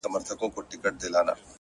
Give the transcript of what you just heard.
چي د ارواوو په نظر کي بند سي؛